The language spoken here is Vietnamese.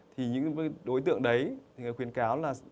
thì những cái đối tượng đấy người khuyến cáo là